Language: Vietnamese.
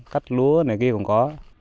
cách lúa này kia cũng có